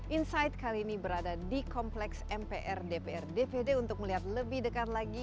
insight kali ini berada di kompleks mpr dpr dpd untuk melihat lebih dekat lagi